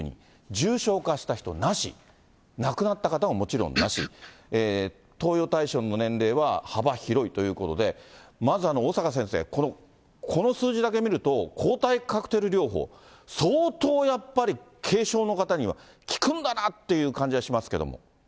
重症化した人なし、亡くなった方ももちろんなし、投与対象の年齢は幅広いということで、まず、小坂先生、この数字だけ見ると、抗体カクテル療法、相当やっぱり、軽症の方には効くんだなという感じはしますけれども。